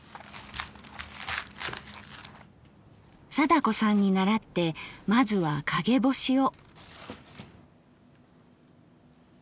貞子さんに倣ってまずは陰干しを。